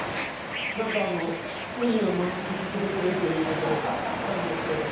何か海を満喫させてくれるということで来たんですけれども。